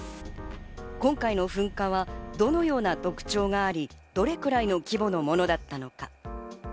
今回の噴火はどのような特徴があり、どれくらいの規模のものだったのか。